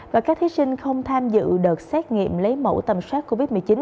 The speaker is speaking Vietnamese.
và các thí sinh không tham dự đợt xét nghiệm lấy mẫu tầm soát covid một mươi chín